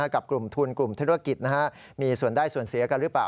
กับกลุ่มทุนกลุ่มธุรกิจมีส่วนได้ส่วนเสียกันหรือเปล่า